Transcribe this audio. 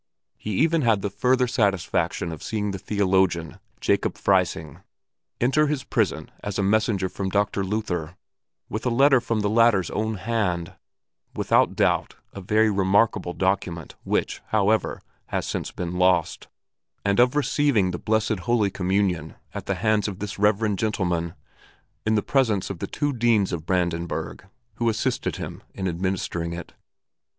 He even had the further satisfaction of seeing the theologian, Jacob Freising, enter his prison as a messenger from Dr. Luther, with a letter from the latter's own hand without doubt a very remarkable document which, however, has since been lost and of receiving the blessed Holy Communion at the hands of this reverend gentleman in the presence of two deans of Brandenburg, who assisted him in administering it.